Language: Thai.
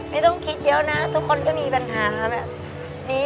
ไม่ต้องคิดเยอะนะทุกคนก็มีปัญหาค่ะแบบนี้